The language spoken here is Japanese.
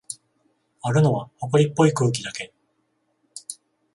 あるのは、ほこりっぽい空気だけ。